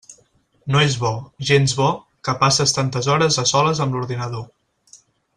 No és bo, gens bo, que passes tantes hores a soles amb l'ordinador.